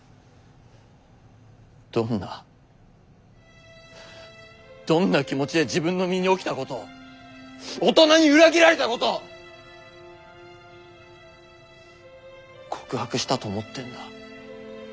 どんなどんな気持ちで自分の身に起きたこと大人に裏切られたこと告白したと思ってんだ。